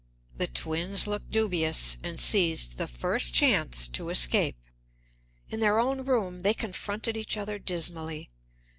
The twins looked dubious, and seized the first chance to escape. In their own room they confronted each other dismally.